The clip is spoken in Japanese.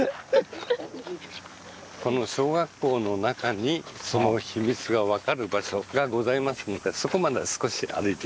この小学校の中にその秘密が分かる場所がございますのでそこまで少し歩いて。